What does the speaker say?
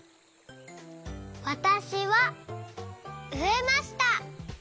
わたしはうえました。